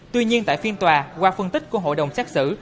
tuy nhiên tại phiên tòa qua phân tích của hội đồng xét xử